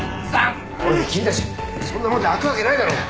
おい君たちそんなもので開くわけないだろう。